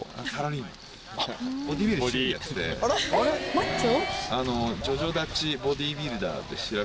「マッチョ？」